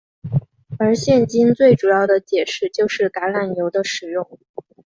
而现今最主要的解释就是橄榄油的使用。